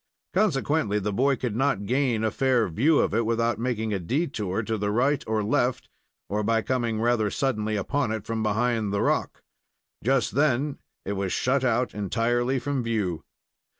Consequently, the boy could not gain a fair view of it without making a detour to the right or left, or by coming rather suddenly upon it from behind the rock. Just then it was shut out entirely from view.